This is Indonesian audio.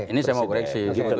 ini saya mau koreksi